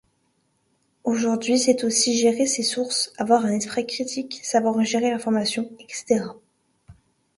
Aujourd’hui c’est aussi gérer ses sources, avoir un esprit critique, savoir gérer l'information, etc.